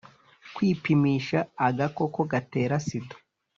kwipimisha agakoko gatera sida